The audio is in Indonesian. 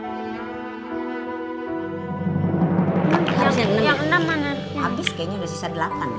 abis kayaknya udah sisa delapan